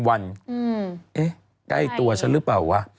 ใกล้ตัวฉันหรือเปล่าวะ